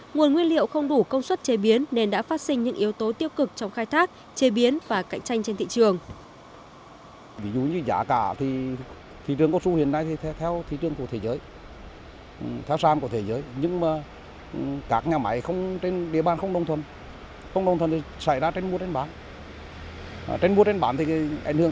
nguồn nguyên liệu không đủ công suất chế biến nên đã phát sinh những yếu tố tiêu cực trong khai thác chế biến và cạnh tranh trên thị trường